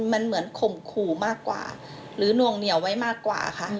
มันเหมือนข่มขู่มากกว่าหรือนวงเหนียวไว้มากกว่าค่ะ